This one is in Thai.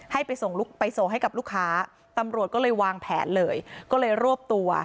ให้ไปส่งลูกไปส่งให้กับลูกค้าตำรวจก็เลยวางแผนเลยก็เลยรวบตัว